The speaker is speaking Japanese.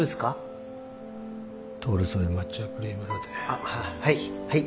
あはいはい。